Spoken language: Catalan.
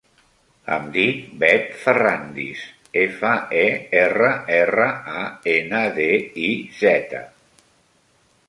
Em dic Bet Ferrandiz: efa, e, erra, erra, a, ena, de, i, zeta.